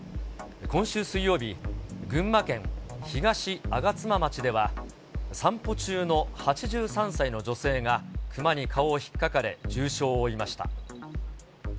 今週水曜日、群馬県東吾妻町では、散歩中の８３歳の女性が、クマに顔をひっかかれ重傷を負いました。